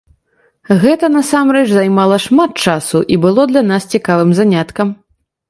Гэта насамрэч займала шмат часу і было для нас цікавым заняткам.